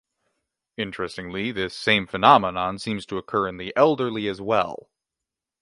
Interestingly, this same phenomenon seems to occur in the elderly as well.